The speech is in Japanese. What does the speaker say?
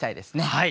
はい。